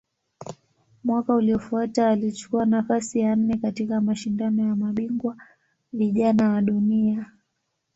Mwaka uliofuata alichukua nafasi ya nne katika Mashindano ya Mabingwa Vijana wa Dunia.